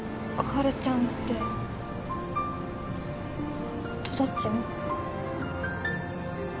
春ちゃんってとどっちの？